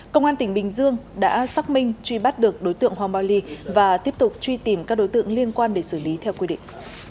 công an tỉnh bình dương đã xác minh truy bắt được đối tượng hoàng bao ly và tiếp tục truy tìm các đối tượng liên quan để xử lý theo quy định